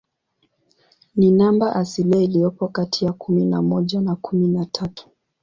Ni namba asilia iliyopo kati ya kumi na moja na kumi na tatu.